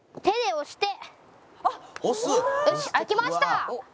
よし開きました！